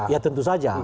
ya tentu saja